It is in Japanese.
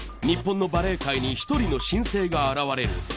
日本のバレエ界に１人の新星が現れる。